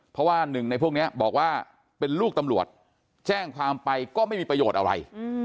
เพราะว่าหนึ่งในพวกนี้บอกว่าเป็นลูกตำรวจแจ้งความไปก็ไม่มีประโยชน์อะไร